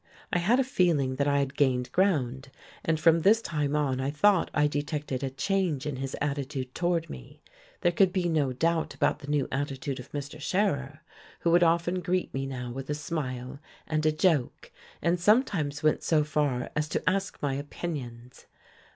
I had a feeling that I had gained ground, and from this time on I thought I detected a change in his attitude toward me; there could be no doubt about the new attitude of Mr. Scherer, who would often greet me now with a smile and a joke, and sometimes went so far as to ask my opinions....